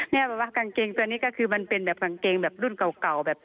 แม่บอกว่ากางเกงตัวนี้มันเป็นแบบกางเกงรุ่นเก่า